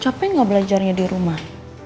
capek nggak belajarnya di rumah